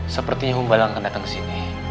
sepertinya humbalang akan datang kesini